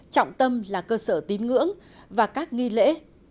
trọng tâm là cơ sở tín ngưỡng và các nghi lễ